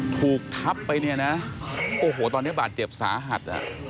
ถูกทับไปโอ้โฮตอนนี้บาดเจ็บสาหัส